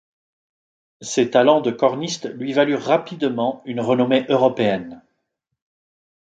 Ses talents de corniste lui valurent rapidement une renommée européenne.